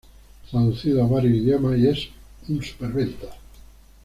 Traducido a varios idiomas y es un superventas.